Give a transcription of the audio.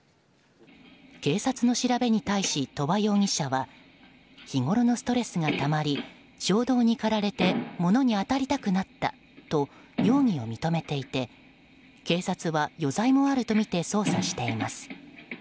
警察の調べに対し鳥場容疑者は日ごろのストレスがたまり衝動に駆られて物に当たりたくなったと容疑を認めていて警察は余罪もあるとみて捜査しています。